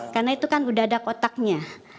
karena itu kan sudah ada kotaknya